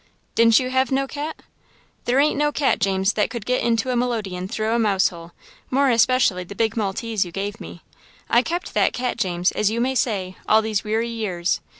"Didn't you hev no cat?" "There ain't no cat, James, that could get into a melodeon through a mouse hole, more especially the big maltese you gave me. I kept that cat, James, as you may say, all these weary years.